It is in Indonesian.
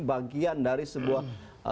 bagian dari sebuah